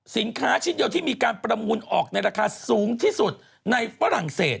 ชิ้นเดียวที่มีการประมูลออกในราคาสูงที่สุดในฝรั่งเศส